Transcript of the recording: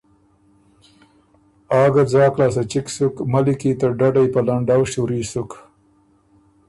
آ ګۀ ځاک لاسته چِګ سُک، ملّی کی ته ډَډئ په لنډؤ شوري سُک۔